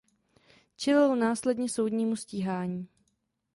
Čelil následně soudnímu stíhání.